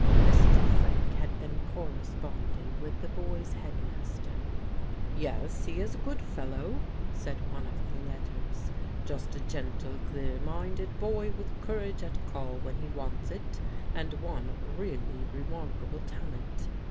Mr. Frank had been corresponding with the boy's headmaster. "Yes, he is a good fellow," said one of the letters; "just a gentle clear minded boy, with courage at call when he wants it, and one really remarkable talent.